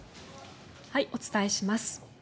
お伝えします。